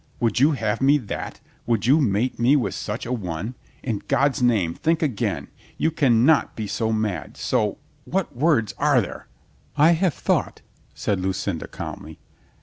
Would you have me that? Would you mate with such a one? In God's name, think again. You can not be so mad, so — what words are there?" "I have thought," said Lucinda calmly.